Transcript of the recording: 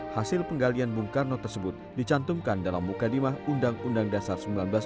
hasil penggalian bung karno tersebut dicantumkan dalam mukadimah undang undang dasar seribu sembilan ratus empat puluh lima